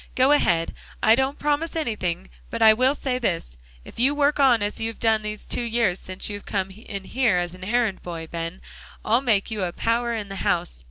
"Go ahead. I don't promise anything, but I will say this. If you work on as you have done these two years since you came in here as errand boy, Ben, I'll make you a power in the house.